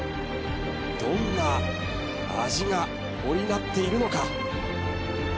どんな味が織り成っているのか？